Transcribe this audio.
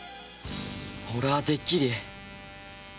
俺はてっきり。